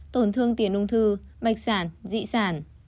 tổn thương tiền ung thư bạch sản dị sản